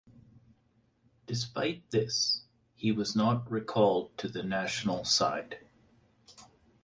Despite this, he was not recalled to the national side.